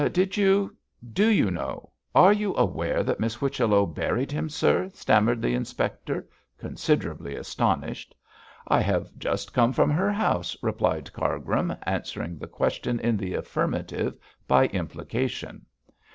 'Did you do you know are you aware that Miss Whichello buried him, sir?' stammered the inspector, considerably astonished. 'I have just come from her house,' replied Cargrim, answering the question in the affirmative by implication.